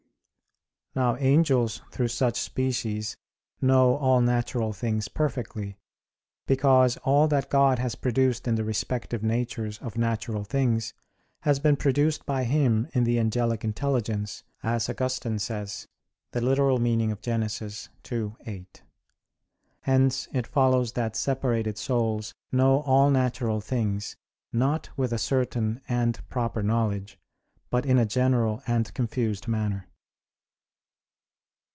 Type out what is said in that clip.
Now angels through such species know all natural things perfectly; because all that God has produced in the respective natures of natural things has been produced by Him in the angelic intelligence, as Augustine says (Gen. ad lit. ii, 8). Hence it follows that separated souls know all natural things not with a certain and proper knowledge, but in a general and confused manner.